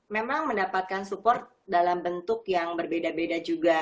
memang mendapatkan support dalam bentuk yang berbeda beda juga